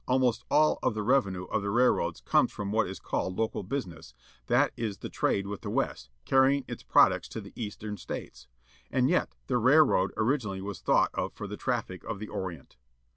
almost all of the revenue of the railroads comes from what is called local business, that is the trade with the West, carrying its products to the East em States. And yet, the railroad originally was thought of for the traffic of the Orient.